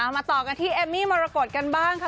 มาต่อกันที่เอมมี่มรกฏกันบ้างค่ะ